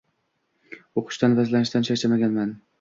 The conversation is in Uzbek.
Oʻqishdan va izlanishdan charchamaganman.